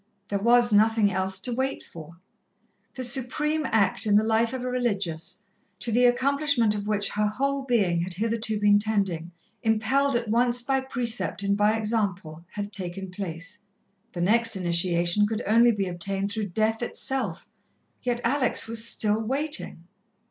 There was nothing else to wait for. The supreme act in the life of a religious, to the accomplishment of which her whole being had hitherto been tending, impelled at once by precept and by example, had taken place. The next initiation could only be obtained through death itself, yet Alex was still waiting.